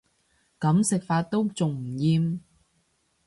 噉食法都仲唔厭